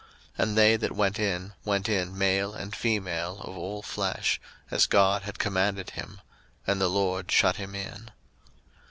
01:007:016 And they that went in, went in male and female of all flesh, as God had commanded him: and the LORD shut him in.